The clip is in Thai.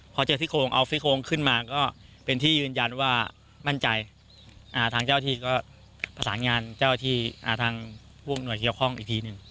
พอเจอซี่โครงเอาซี่โครงขึ้นมาก็เป็นที่ยืนยันว่ามั่นใจทางเจ้าที่ก็ประสานงานเจ้าที่ทางผู้หน่วยเกี่ยวข้องอีกทีหนึ่ง